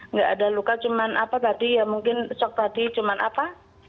nggak ada luka cuma apa tadi ya mungkin shock tadi cuma apa